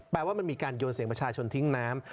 ว่ามันมีการโยนเสียงประชาชนทิ้งน้ำ